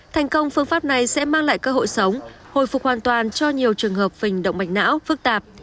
thành công phương pháp này sẽ mang lại cơ hội sống hồi phục hoàn toàn cho nhiều trường hợp phình động mạch não phức tạp